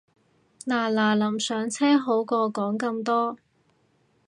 嗱嗱臨上車好過講咁多